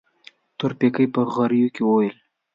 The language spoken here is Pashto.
تورپيکۍ په غريو کې وويل.